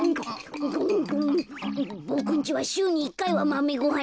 ボクんちはしゅうに１かいはマメごはんなんだぞ。